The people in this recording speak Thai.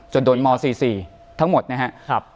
เป็นหมอ๔๔ทั้งหมดนะครับ